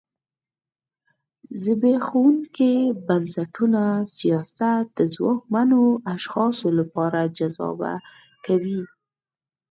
زبېښونکي بنسټونه سیاست د ځواکمنو اشخاصو لپاره جذابه کوي.